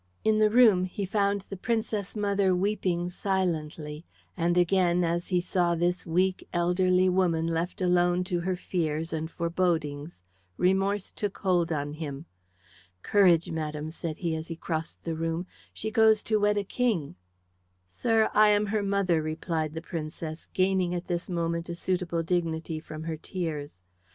In the room he found the Princess mother weeping silently, and again, as he saw this weak elderly woman left alone to her fears and forebodings, remorse took hold on him. "Courage, madam," said he, as he crossed the room; "she goes to wed a king." "Sir, I am her mother," replied the Princess, gaining at this moment a suitable dignity from her tears.